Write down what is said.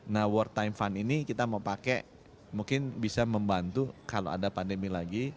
nah war time fund ini kita mau pakai mungkin bisa membantu kalau ada pandemi lagi